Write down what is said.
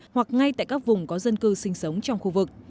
hoặc ngay tại các vùng có dân cư sinh sống trong khu vực